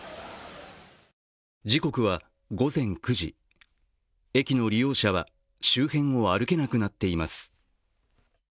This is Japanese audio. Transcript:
時刻は午前９時、駅の利用者は周辺を歩けなくなっています。